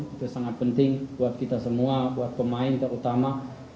itu sangat penting buat kita semua buat pemain terutama